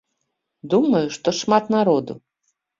Думаю, што шмат народу.